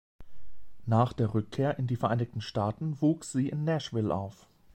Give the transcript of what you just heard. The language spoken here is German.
Nach der Rückkehr in die Vereinigten Staaten wuchs sie in Nashville auf.